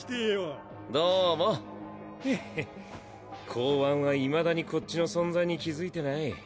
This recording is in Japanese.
公安は未だにこっちの存在に気付いてない。